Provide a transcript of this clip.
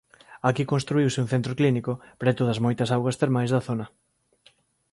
Aquí construíuse un centro clínico preto das moitas augas termais da zona.